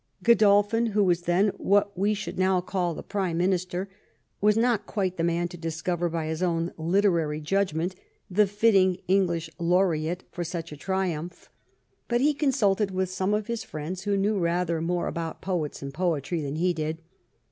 Godolphin, who was then what we should now call the prime minister, was not quite the man to discover, by his own literary judgment, the fitting English laureate for such a triumph, but he consulted with some of his friends who knew rather more about poets and poetry than he did.